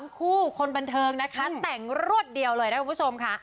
คู่คนบันเทิงนะคะแต่งรวดเดียวเลยนะคุณผู้ชมค่ะ